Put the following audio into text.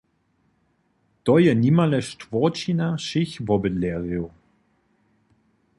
To je nimale štwórćina wšěch wobydlerjow.